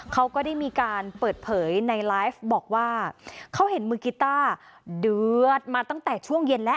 เขาก็ได้มีการเปิดเผยในไลฟ์บอกว่าเขาเห็นมือกีต้าเดือดมาตั้งแต่ช่วงเย็นแล้ว